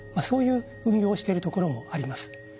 そういう運用をしているところもあります。